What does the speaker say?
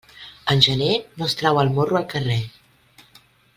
En gener, no es trau el morro al carrer.